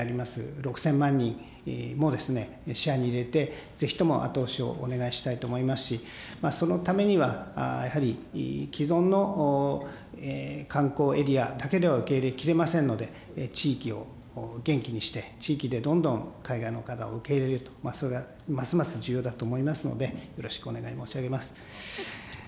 ６０００万人も視野に入れて、ぜひとも後押しをお願いしたいと思いますし、そのためには、やはり、既存の観光エリアだけでは受け入れきれませんので、地域を元気にして、地域でどんどん海外の方を受け入れると、それがますます重要だと思いますので、よろしくお願い申し上げます。